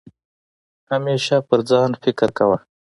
همېشه په ځان فکر کوه